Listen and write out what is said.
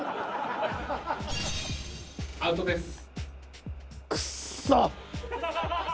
アウトです。